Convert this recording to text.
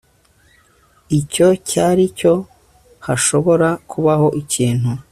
Icyo cyari cyo Hashobora kubaho ikintu